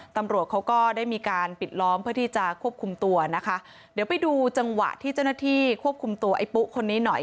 ตำรวจเขาก็ได้มีการปิดล้อมเพื่อที่จะควบคุมตัวนะคะเดี๋ยวไปดูจังหวะที่เจ้าหน้าที่ควบคุมตัวไอ้ปุ๊คนนี้หน่อย